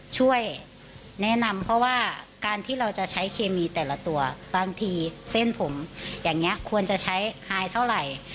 ช่วยแนะนำเพราะว่าการที่เราจะใช้เคมีแต่ละตัวบางทีเส้นผมอย่างนี้ควรจะใช้ไฮเท่าไหร่